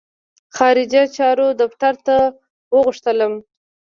خارجه چارو دفتر ته وغوښتلم.